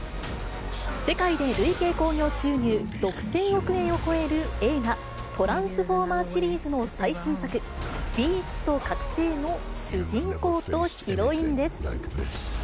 世界で累計興行収入６０００億円を超える映画、トランスフォーマーシリーズの最新作、ビースト覚醒の主人公とヒロインです。